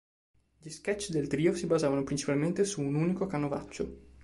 Gli sketch del trio si basavano principalmente su un unico canovaccio.